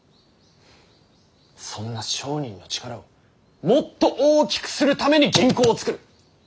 そんな商人の力をもっと大きくするために銀行を作る。